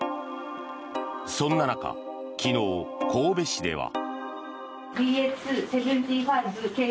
そんな中昨日、神戸市では。